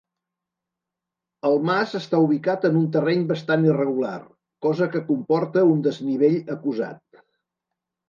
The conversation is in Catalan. El mas està ubicat en un terreny bastant irregular, cosa que comporta un desnivell acusat.